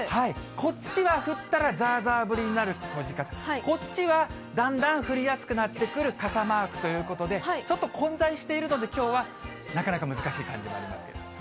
こっちは降ったらざーざー降りになる閉じ傘、こっちはだんだん降りやすくなってくる傘マークということで、ちょっと混在しているので、きょうはなかなか難しい感じになりますけれどもね。